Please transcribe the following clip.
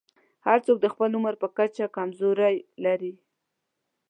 هر څوک د خپل عمر په کچه کمزورۍ لري.